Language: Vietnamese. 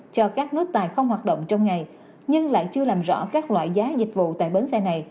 cho các nút tài không hoạt động trong ngày nhưng lại chưa làm rõ các loại giá dịch vụ tại bến xe này